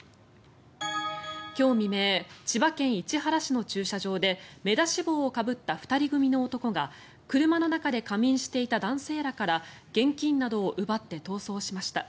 今日未明千葉県市原市の駐車場で目出し帽をかぶった２人組の男が車の中で仮眠していた男性らから現金などを奪って逃走しました。